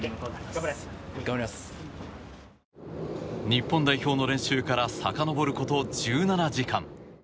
日本代表の練習からさかのぼること１７時間。